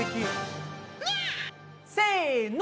せの！